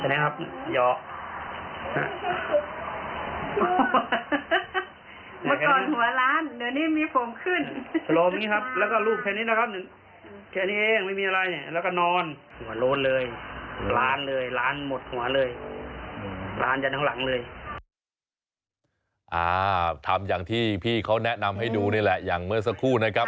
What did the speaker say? ทำอย่างที่พี่เขาแนะนำให้ดูนี่แหละอย่างเมื่อสักครู่นะครับ